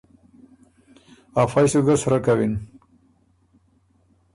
افئ سُو ګه سرۀ کوِن۔